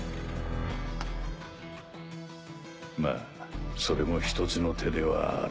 まあそれも一つの手ではある。